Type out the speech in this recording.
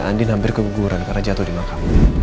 andin hampir keguguran karena jatuh di makam